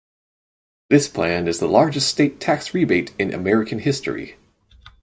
This plan is the largest state tax rebate in American history.